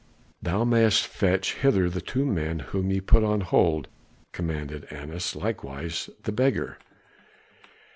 "Thou mayest fetch hither the two men whom ye put in hold," commanded Annas, "likewise the beggar."